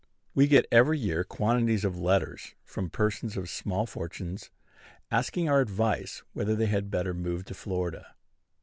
We get every year quantities of letters from persons of small fortunes, asking our advice whether they had better move to Florida.